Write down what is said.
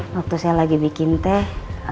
waktu saya lagi bikin teh